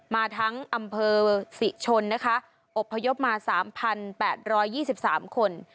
มาทั้งอำเภอศรีชนนะคะอบพยพมา๓๘๒๓คน